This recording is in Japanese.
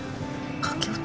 駆け落ち？